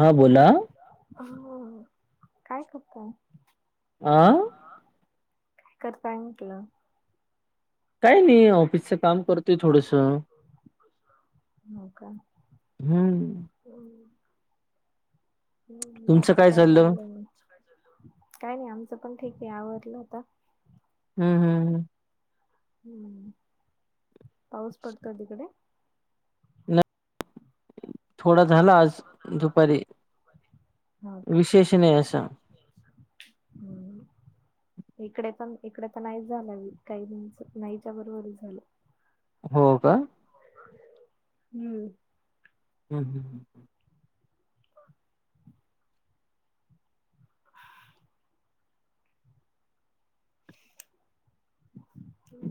हा बोला. हा, काय करताय? आ? काय करताय म्हटलं? काही नाही ऑफिसच काम करतोय थोडसं. हो का? हं. [unintelligible] तुमचं बाकी काय चाललं? चाललंय मग? काय नाही आमचं पण ठीक आहे आवडलं आता. हं, हं, हं. हम्म, पाऊस पडतोय तिकडे? [unintelligible] थोडा झाला आज दुपारी‌. हो का? विशेष नाही अस. [unintelligible] इकडे पण, इकडे तर नाही झालं काहीच, नाहीच्या बरोबरच झालं. हो का? हं. [unintelligible]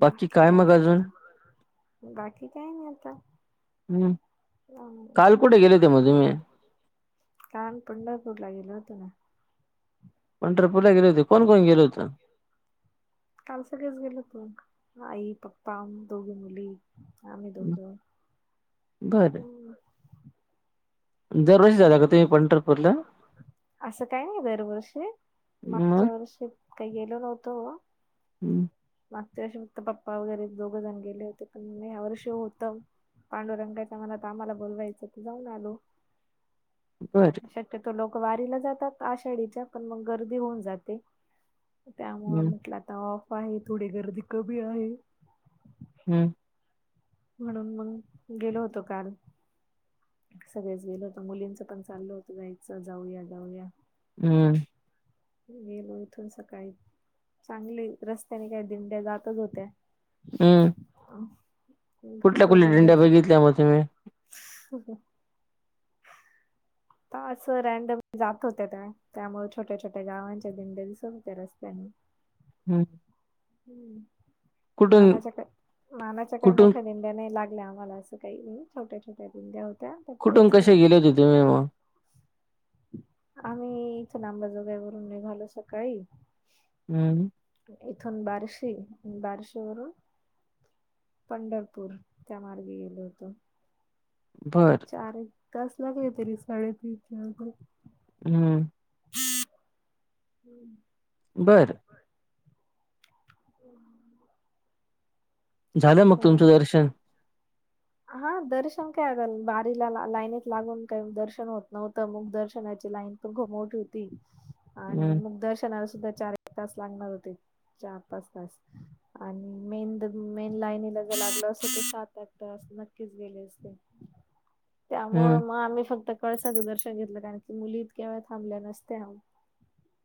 बाकी काय? बाकी काय नाही आता. हं. [unintelligible] काल कुठे गेले होते मग तुम्ही? काल पंढरपूरला गेलो होतो ना. पंढरपूला गेले होते. कोण, कोण गेले होतं? काल सगळेच गेलो होतो, आई, पप्पा, दोघी मुली, आम्ही हं. दोघं. बरं. दरवर्षी हं. जाता का तुम्ही पंढरपूरला? असं काही नाही दरवर्षी, मग? मागच्या वर्षी काही गेलो नव्हतो. [unintelligible] मागच्या वर्षी फक्त पप्पा वगैरे दोघं जण गेले होते, पण मी ह्या वर्षे होतं. पांडुरंगायचा मला तर आम्हाला बोलवायचं त जाऊन आलो. बरं. शक्यतो लोक वारीला जातात आषाढीच्या, पण मग गर्दी होऊन जाते. त्यामुळे हं, म्हटलं आता ऑफ आहे, थोडी गर्दी कमी आहे. हम्म. म्हणून मंग गेलो होतो काल. सगळ्याच गेलो होतो. मुलींचं पण चालू होतं, जायचं जाऊया, जाऊया हं. गेलो इथून सकाळी चांगली रस्त्याने काय दिंड्या जातच होत्या. हं. [inaudible] कुठल्या कुठ दिंड्या बघितल्या मग तुम्ही? [unintelligible] आ असं रँडमली जात होते त्या, त्यामुळे छोट्या, छोट्या गावांचे दिंडे दिसून होते रस्त्याने. [unintelligible] ह, कुठून मानाच्या काय मानाच्या काय कुठून मोठ्याने त्या नाही लागल्या आम्हाला अस काही छोट्या- छोट्याया [unintelligible] होत्या. त्या कुठून पोहोचल्या. कसे गेले होते तुम्ही मग? आम्ही इथ लांबाजोगावरून निघालो सकाळी हम्म. इथून बार्शी आणि बार्शी वरून पंढरपूर त्या मार्गी गेलो होतो. बरं. चार एक तास लागले तरी साडेतीस हम्म [inaudible] बर! [unintelligible] झालं मग चालेल. तुमचं दर्शन? हा दर्शन काय आता बारीला लाईनीत लागून काय दर्शन होत नव्हतं. मग दर्शनाची लाईन घमोट होती. आणि हम्. दर्शनाला सुद्धा चार एक तास लागणार होते, चार पाच तास आणि मेन मेन द लाईनीला जर लागलं असंल ते सात आठ [unintelligible] नक्कीच गेले असते, त्यामुळ हं, मग आम्ही फक्त कळसाचं दर्शन घेतलं कारण की मुली इतक्या वेळ थांबल्या नसत्या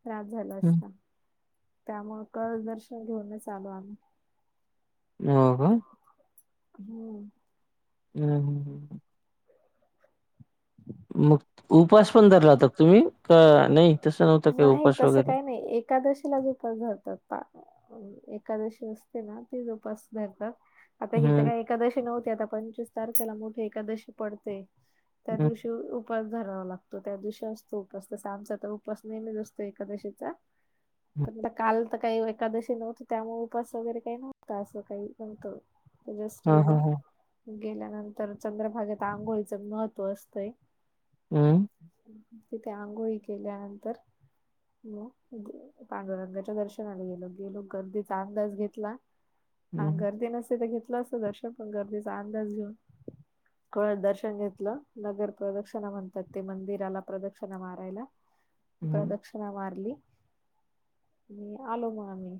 त्रास झाला हं. असता. त्यामुळं कल दर्शन घेऊनच आलो आम्ही. हो का हम्म. हम्म हम्म हम् हम्. [inaudible] मग उपास पण धरलाता तुम्ही का नाही तसं नव्हतं. काही नाही उपवास तसं वगैरे? काही नाही एकादशीलाच उपवास धरतात [unintelligible] एखकादशी असते ना तेच उपास धरतात. आता ही त हं, काय एकादशी नव्हती, आता पंचवीस तारखेला मोठी एकादशी पडते. त्या हं, दिवशी उ-उपास धरावा लागतो, त्या दिवशी असतो उपास तसा आमचा त उपवास नेहमीच असतो एकादशीचा, हं. फक्त काल आता काय एकादशी नव्हती त्यामुळे उपास वगैरे काही नव्हतं असं काही न्हवत. जष्ट हां, गेलो, हां, हां. गेल्यानंतर चंद्रभागेत आंघोळीचं महत्त्व असतंय. अम्. तिथे अंघोळी केल्यानंतर मग पांडुरंगाच्या दर्शनाला गेलो गेलो गर्दीचा अंदाज घेतला. हा हं, गर्दी नसते, तर घेतलं असतं दर्शन. पण गर्दीचा अंदाज घेऊन कळ दर्शन घेतलं नगर प्रदक्षणा म्हणतात ते मंदिराला प्रदक्षणा मारायला. हं, प्रदक्षिणा मारली आणि आलो मग आम्ही.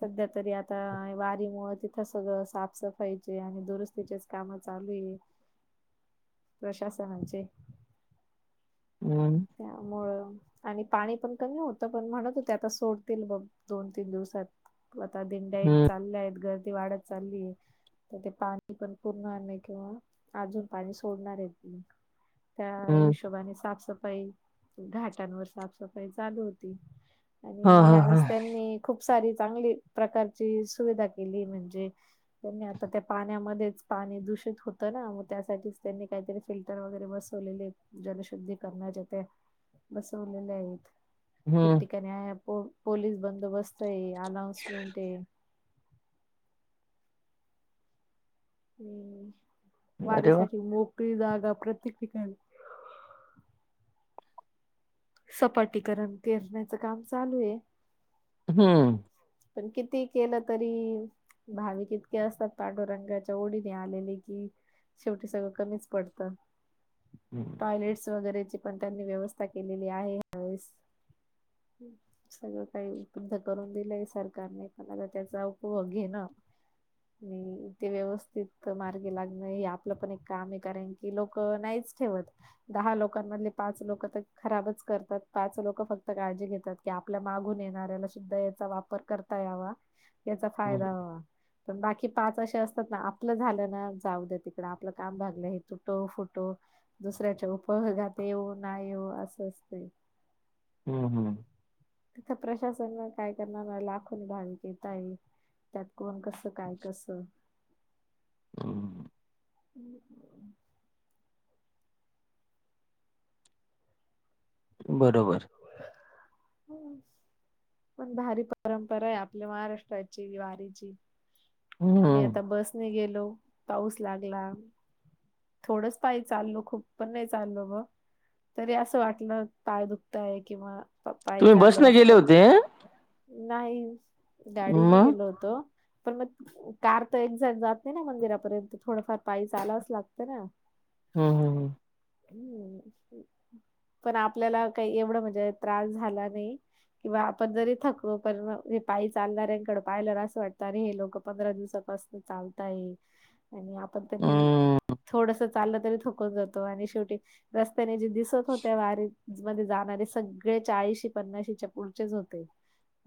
सध्या तरी आता वारी मुळ तिथं सगळं साफसफाईचे आणि दुरुस्तीचेच कामं चालू आहे. प्रशासनांचे हम्म. त्यामुळं. आणि पाणी पण कमी होत पण म्हणत होत्या आता सोडतील बघ दोन तीन दिवसात. हो आता दिंड्या येत हं, चालल्यायेत गर्दी वाढत चाललीये तर ते पाणी पण पूर्ण आणणे किंवा अजून पाणी सोडणार आयत मग. त्या हं. हिशोबाने साफसफाई घाटांनवर साफसफाई चालू होती. हां, आणि हां, हां. ह्यावेळेस त्यांनी, खूप सारी चांगली प्रकारची सुविधा केली. म्हणजे त्यांनी आता त्या पाण्यामध्येच पाणी दूषित होत ना मग त्यासाठीच त्यांनी कायतरीच फिल्टर वगैरे बसवलेलेत जलशुद्धी करणा जेवतय, बसवलेले आहेत, हं. ठिकठिक. पलीस बंदोबस्त आहे, अनौनसमेंट आहे. हम्म. अरे वाह! वारीसाठी, मोकळी, जागा, प्रत्येक ठिकाणी सपाटीकरण पेरण्याचं काम चालू आहे. हम्म. पण किती केलं तरी भाविक इतके असतात, पांडुरंगाच्या ओडीने आलेले की शेवटी सगळं कमीच पडतं, हं, टॉयलेट्स वगैरेचे पण त्यांनी व्यवस्था केलेली आहे या वेळेस. सगळं काय उपलब्ध करून दिलंय. सरकारने पण त्याचा उपभोग घेणं नाही तेे, व्यवस्थित मार्गे लागण, हे आपलं पण एक काम आहे, करायची कि, लोक नाहीच ठेवत दहा लोकांमधले, पाच लोक तर खराबच करतात. पाच लोक फक्त काळजी घेतात. कि आपल्या मागून येणाऱ्याला सुद्धा याचा वापर करता, यावा याचा हं, फायदा हवा पण बाकी पाच अशे असतात, ना आपलं झाल्या ना जाऊ द्या तिकड आपलं, काम भागलं हे तुटो फुटो दुसऱ्याच्या उपभोगात येऊना, येव असं असत. हम्म - हम्म. तिथं प्रशासन काय करणार, लाखोनी भाविक येता आहे. त्यात कोण, कसं काय कसं [inaudible] [inaudible] बरोबर. [inaudible] पण भारी परंपरा आहे, आपल्या महाराष्ट्राची, वारीची आम्ही हं. आता बसने गेलो, पाऊस लागला. थोडंच पाय चालो, खूप पण नाही चालो ग तरी असं वाटलं पाय दुखत, आहे, किंवा पायी तुम्ही बस चाललो न असं गेले काही होते? नाही गाडीने मग? गेलो होतो, पण मग कार तर एक्झॅक्ट जात नाही, ना मंदिरापर्यंत थोडंफार पायी चालाच लागतं, ना. हम्म - हम्म -हम्म. हम्म. पण आपल्याला काही एवढं म्हणजे, त्रास झाला नाही. किंवा आपण जरी थकलो, पण हे पाई चालणार आहेकड पायला असं वाटत, हे लोक पंधरा दिवसापास चालत आहे, आणि आपण तरी हम्म, थोडस चाललं तरी थोकत जातो, आणि शेवटी रस्त्याने जे दिसत होत्या, वारीत मध्ये जाणारे सगळे, चाळीशी पन्नाशीच्या पुढचेच होते.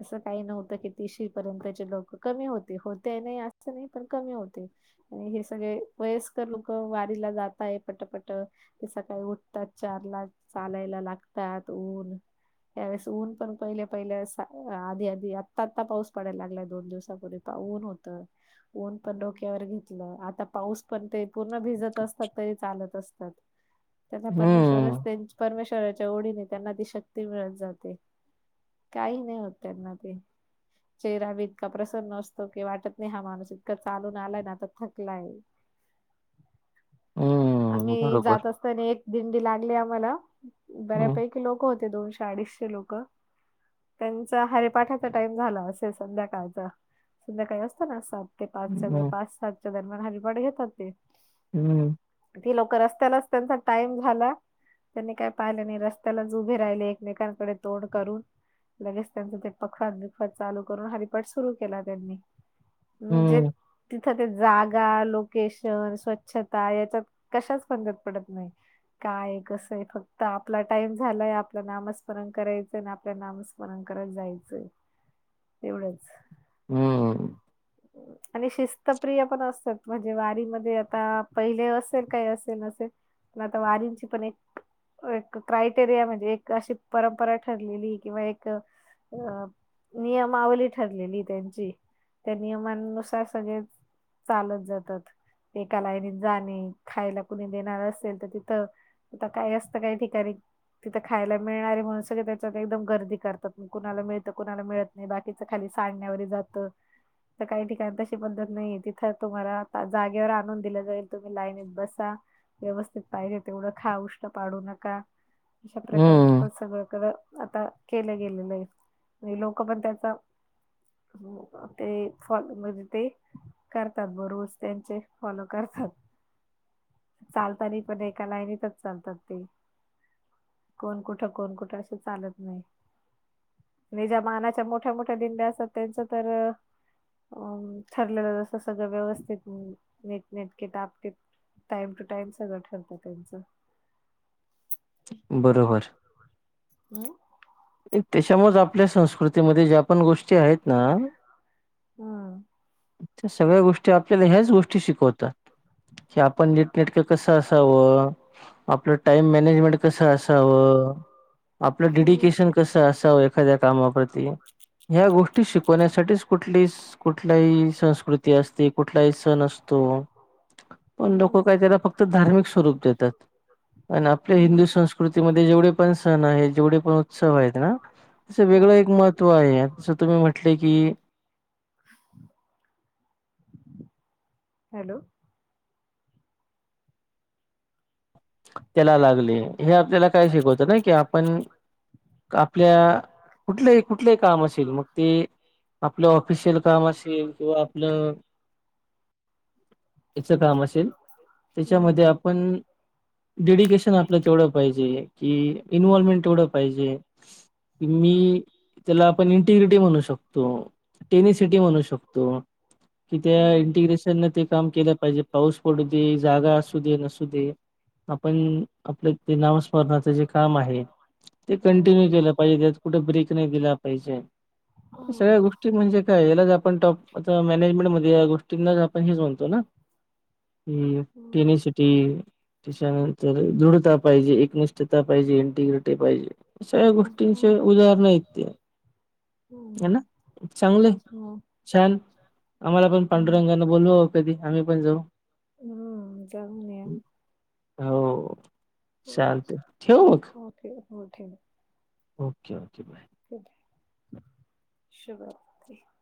असं काही नव्हतं, की तिशी पर्यंतचे लोक कमी होते, हो ते नाही असं नाही पण कमी होते. आणि हे सगळे वयस्कर लोक वारीला, जातय पटपट ते सकाळी उठतात चार ला, चालायला लागतात, ऊन त्यावेळेस ऊन पण पहिल्या -पहिल्या आधी- आधी आत्ता- आत्ता पाऊस पडायला, लागलाय, दोन दिवसापूर्वी काऊन होत. ऊन पण डोक्यावर घेतलं, आता पाऊस पण ते पूर्ण भिजत असतात, तरी चालत असतात. त्यांना, हम्म, परमेश्वरच त्यां परमेश्वराच्या ओढने त्यांना ती शक्ती मिळत जाते. काही नाही होत त्यांना ते चेहरा बी इतका प्रसन्न असतो, की वाटत नाही हा माणूस इतका चालून आलाय आणि थकलाय. हम्म, आम्ही बरोबर. जात असताना, एक दिंडी लागली आम्हाला हं, बऱ्यापैकी लोकं होते दोनशे अडीचशे लोकं त्यांचा हरीपाठाचा टाइम झाला असेल, संध्याकाळचा संध्याकाळी अस पण सात ते पाचच्या हं, पाच सातच्या दरम्यान हरिपाठ घेतात ते. हम्म. ती लोकं रस्त्यालाच त्यांचा टाइम झाला. त्यांनी काही पाहिलं नाही रस्त्यालाच उभे राहिले एकमेकांकडे तोंड करून. लगेच त्यांचा ते पखवाद बीखवाद चालू करून हरिपाठ सुरू केला त्यांनी. म्हणजे? हं, तिथं ते जागा, लोकेशन, स्वच्छता याच्यात कशाच फंदात पडत नाही. काय कसं आहे, फक्त आपला टाइम झालाय, आपलं नामस्मरण करायचंय ना आपल्या नामस्म पोरांकडे जायचंय, तेवढंच. हम्. [inaudible] आणि शिस्तप्रिय पण असतात म्हणजे वारीमध्ये आता पहिले असेल काही असेल असेल. आता वारींची पण एक एक क्रायटेरिया म्हणजे एक अशी परंपरा ठरलेली जाते किंवा एक अ मी माऊली ठरलेली आहे त्यांची. त्या नियमांनुसार सगळेच चालत जातात. एका लाईनीत जाणे खायला कुणी देणार असेल तर तिथं आता काही असतं काही ठिकाणी तिथं खायला मिळणारे म्हणून सगळे त्याच्यात एकदम गर्दी करतात कुणाला मिळतं कुणाला मिळत नाही बाकीच खाली साडण्यावरी जातं. तर काही ठिकाण तशी पद्धत नाही तिथं तुम्हाला जागेवर आणून दिलं जाईल तुम्ही लाईनीत बसा. व्यवस्थित पाहिजे तेवढं खा. उष्ट् पाडू नका अशा प्रकारे. हं, पण सगळकडं आता केलं गेलेलं आहे नाही लोक पण त्याचा हो का? ते फॉलो म्हणजे ते करतात बर रोज त्यांचे फॉलो करतात. चालतानी पण एका लाईनीतच चालतात ते. कोण कुठं कोण कुठं असं चालत नाही. णि ज्या मानाच्या मोठ्या मोठ्या दिंड्या असत त्यांचं तर अ ठरलेलं जसं सगळं व्यवस्थित नीटनेटके टापटीप. टाइम टू टाइम सगळं ठरत त्यांचं. बरोबर. हम. एक त्याच्यामुळेच आपल्या संस्कृतीमध्ये ज्या पण गोष्टी आहेत ना, हम्म त्या सगळ्या गोष्टी त्या आपल्याला ह्याच गोष्टी शिकवतात की आपण नीटनेटक कसं असावं. आपलं टाइम मॅनेजमेंट कस असाव? आपलं हम्म डेडिकेशन कसं असावं एखाद्या कामाप्रती ह्या गोष्टी शिकवण्यासाठीच कुठलीच कुठलाही संस्कृती असते, कुठलाही सण असतो पण लोक काय हम्म करतात फक्त धार्मिक स्वरूप देतात. पण आपल्या हिंदू संस्कृतीमध्ये जेवढे पण सण आहे जेवढे पण उत्सव वेगळं हम्म एक महत्त्व आहे ज तुम्ही म्हटले की हॅलो त्याला लागले हे आपल्याला काय शिकवत ना की आपण आपल्या कुठलंही कुठलेही काम असेल मग ते आपलं ऑफिशियल काम असेल किंवा आपलं [unintelligible] याच काम असेल हम्म त्याच्यामध्ये आपण डेडिकेशन आपलं तेवढं पाहिजे की इन्वॉल्मेंट तेवढं पाहिजे. कि मी त्याला आपण इंटिग्रिटी म्हणू शकतो. टेनी सिटी म्हणू शकतो. कि त्या हम्म इंटिग्रेशन न ते काम केलं पाहिजे पाऊस पडू दे जागा असू दे नसू दे. आपण आपलं ते नाव णाच जे काम आहे ते हम्म कंटिन्यू केलं पाहिजे त्यात कुठे ब्रेक नाही दिला पाहिजे. सगळ्या गोष्टी म्हणजे काय याला आपण टॉप आ मॅनेजमेंट मध्ये या गोष्टींनाच आपण हेच म्हणतो ना- [inaudible] पेनीसिटी त्याच्यानंतर दृढता पाहिजे. निष्ठता पाहिजे इंटिग्रिटी पाहिजे सगळ्या गोष्टींचे उदाहरण आहेत ते. ह ना जाऊन चांगले छान आम्हाला पण पांडुरंगाना बोलवा कधी आम्ही पण जाऊ हम् जाऊ न हो चालतंय अच्छा ठेवू मग हो ठेवा हो ठेवा. Okay okay bye. शुभ